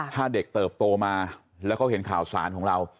ถ้าเด็กเติบโตมาแล้วเขาเห็นข่าวสารของเรา